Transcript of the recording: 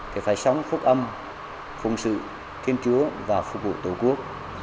thì phải sống phúc âm khung sự thiên chúa và phục vụ tổ quốc